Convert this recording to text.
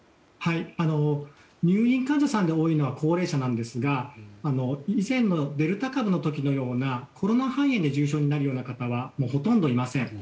入院患者さんで多いのは高齢者なんですが以前のデルタ株の時のようなコロナ肺炎で重症になるような方はほとんどいません。